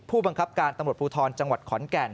ผู้บังคับการตำรวจภูทรจังหวัดขอนแก่น